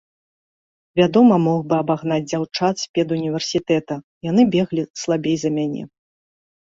Вядома, мог бы абагнаць дзяўчат з педуніверсітэта, яны беглі слабей за мяне.